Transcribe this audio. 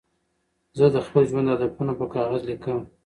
زه د خپل ژوند هدفونه په کاغذ لیکم.